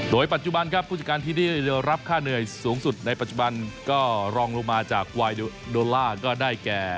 โดยปัจจุบันครับผู้จัดการที่ได้รับค่าเหนื่อยสูงสุดในปัจจุบันก็รองลงมาจากวายโดล่าก็ได้แก่